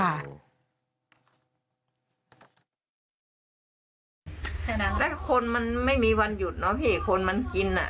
แล้วคนมันไม่มีวันหยุดเนอะพี่คนมันกินอ่ะ